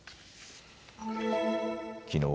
きのう